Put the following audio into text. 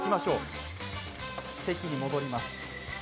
席に戻ります。